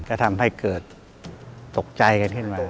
ก็ทำให้เกิดตกใจกันขึ้นมา